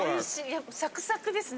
やっぱサクサクですね